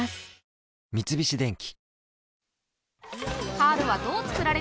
三菱電機